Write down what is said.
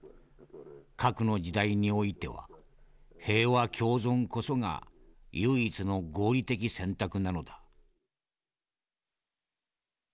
核の時代においては平和共存こそが唯一の合理的選択なのだ」。